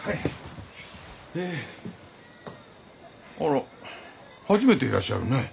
あら初めていらっしゃるね。